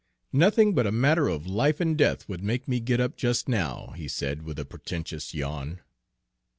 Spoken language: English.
"Nothing but a matter of life and death would make me get up just now," he said with a portentous yawn.